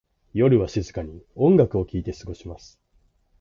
夜は静かに音楽を聴いて過ごします。